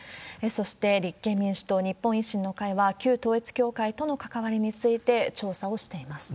そして、立憲民主党、日本維新の会は旧統一教会との関わりについて調査をしています。